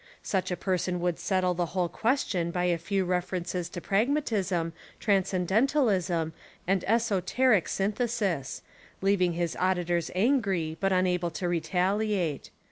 Such a person would settle the whole question by a few references to pragmatism, transcendentalism, and esoteric synthesis, — leaving his auditors angry but unable to re taliate.